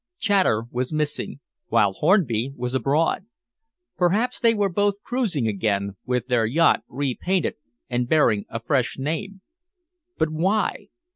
Chater was missing, while Hornby was abroad. Perhaps they were both cruising again, with their yacht repainted and bearing a fresh name. But why?